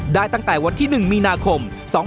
ตั้งแต่วันที่๑มีนาคม๒๕๖๒